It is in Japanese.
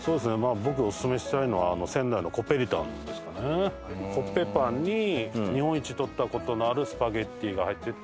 僕オススメしたいのはコッペパンに日本一とった事のあるスパゲティが入ってて。